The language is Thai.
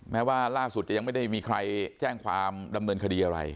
แม้ว่าล่าสุดจะยังไม่ได้มีใครแจ้งความดำเนินคดีอะไร